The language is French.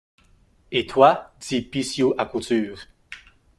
Et toi? dit Bixiou à Couture.